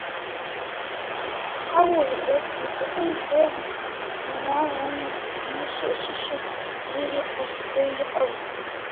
- Хьэуэ, - жиӀащ Насыпым, - сэ уи унагъуэм исхэм ящыщу зыри къысхуейкъым.